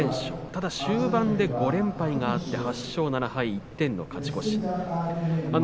ただ終盤で５連敗があって８勝７敗一点の勝ち越し。